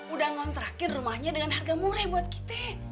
udah ngontrakin rumahnya dengan harga murah buat kita